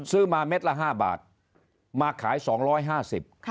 ซื้อมาเม็ดละ๕บาทมาขาย๒๕๐บาท